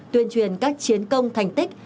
tuyên truyền các chiến công thành tích